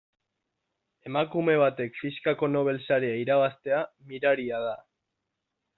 Emakume batek fisikako Nobel saria irabaztea miraria da.